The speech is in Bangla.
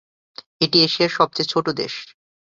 এটি এশিয়ার সবচেয়ে ছোট দেশ।